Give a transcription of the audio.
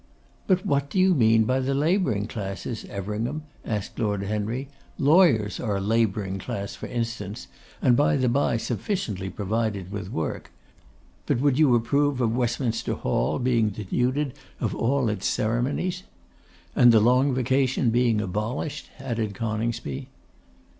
'But what do you mean by the labouring classes, Everingham?' asked Lord Henry. 'Lawyers are a labouring class, for instance, and by the bye sufficiently provided with work. But would you approve of Westminster Hall being denuded of all its ceremonies?' 'And the long vacation being abolished?' added Coningsby.